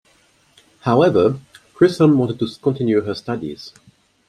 However, Chisholm wanted to continue her studies.